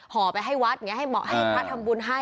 ห่อไปให้วัดให้เมาะให้พระธรรมบุญให้